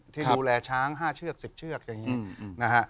ที่ดูแลช้าง๕เชือก๑๐เชือกอย่างนี้นะฮะ